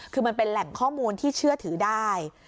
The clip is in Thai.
คือมันเป็นแหล่งข้อมูลที่เชื่อถือได้